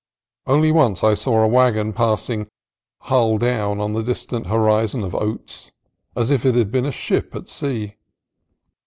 Only once I saw a wagon passing "hull down" on the distant horizon of oats, as if it had been a ship at sea.